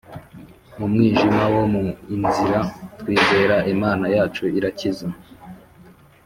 Mu mwijima wo mu inzira, twizere Imana yacu irakiza